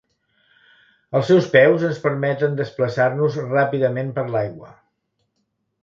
Els seus peus ens permeten desplaçar-nos ràpidament per l'aigua.